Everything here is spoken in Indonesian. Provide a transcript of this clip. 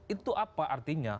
itu apa artinya